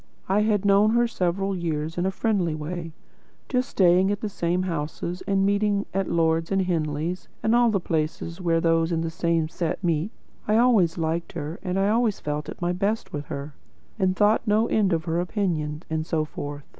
I had known her several years in a friendly way, just staying at the same houses, and meeting at Lord's and Henley and all the places where those in the same set do meet. I always liked her, and always felt at my best with her, and thought no end of her opinion, and so forth.